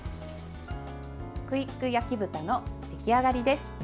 クイック焼き豚の出来上がりです。